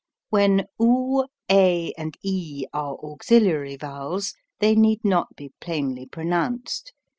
When do, a, and e are auxiliary vowels, they need not be plainly pronounced.